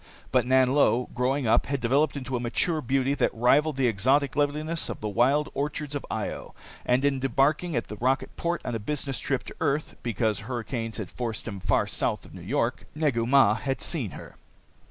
But Nanlo, growing up, had developed into a mature beauty that rivaled the exotic loveliness of the wild orchids of Io. And in debarking at the rocket port on a business trip to earth, because hurricanes had forced him to land far south of New York, Negu Mah had seen her.